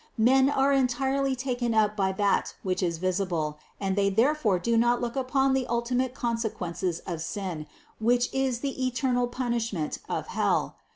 Men are entirely taken up by that which is visible, and they therefore do not look upon the ultimate consequences of sin, which is the eternal punish ment of hell.